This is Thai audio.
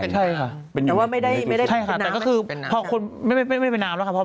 แต่ว่าไม่ได้เป็นน้ำเป็นน้ำใช่ไหมคะเป็นน้ำใช่ไหมคะ